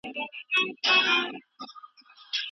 د منکراتو مخه نيول د چا دنده ده؟